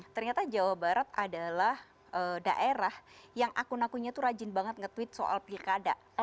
ternyata jawa barat adalah daerah yang akun akunnya itu rajin banget nge tweet soal pilkada